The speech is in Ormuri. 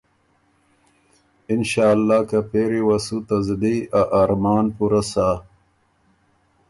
اِنشأ اللّٰه که پېری وه سُو ته زلی ا ارمان پُورۀ سَۀ۔